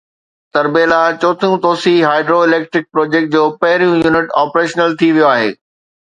تربيلا چوٿين توسيع hydro electric project جو پهريون يونٽ آپريشنل ٿي ويو آهي